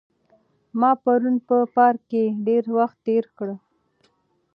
ما پرون په پارک کې ډېر وخت تېر کړ.